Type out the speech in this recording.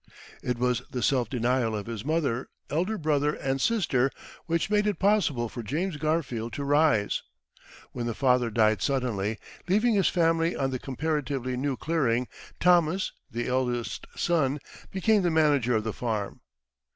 It was the self denial of his mother, elder brother, and sister which made it possible for James Garfield to rise. When the father died suddenly, leaving his family on the comparatively new clearing, Thomas, the eldest son, became the manager of the farm.